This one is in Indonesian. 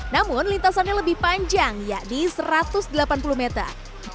namun lintasannya lebih panjang yakni satu ratus delapan puluh meter